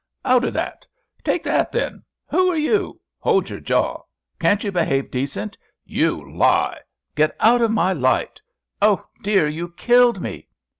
"Out o' that!" "Take that, then!" "Who are you?" "Hold your jaw!" "Can't you behave decent?" "You lie!" "Get out of my light!" "Oh, dear! you killed me!"